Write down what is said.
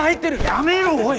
やめろおい！